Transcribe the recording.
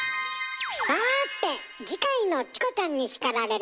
さて次回の「チコちゃんに叱られる！」